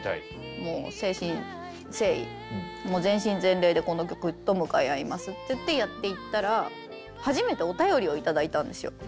もう誠心誠意全身全霊でこの曲と向かい合いますってやっていったら初めてお便りを頂いたんですよ。